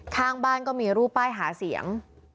ข้างบ้านก็มีรูปป้ายหาเสียง